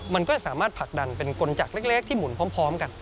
มันก็สามารถผลักดันเป็นกลจักรเล็กที่หมุนพร้อมกัน